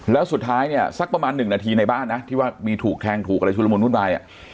แล้วสุดท้ายเนี่ยสักประมาณหนึ่งนาทีในบ้านนะที่ว่ามีถูกแทงถูกอะไรชุลมุนวุ่นวาย